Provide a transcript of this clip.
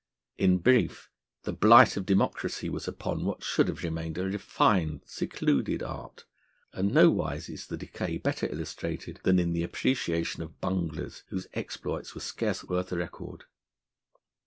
In brief, the blight of democracy was upon what should have remained a refined, secluded art; and nowise is the decay better illustrated than in the appreciation of bunglers, whose exploits were scarce worth a record.